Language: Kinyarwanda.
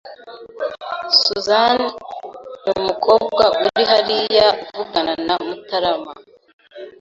Suzanne numukobwa uri hariya avugana na Mutarama